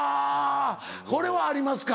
これはありますか？